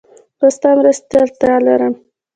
زه ستا مرستې ته اړتیا لرم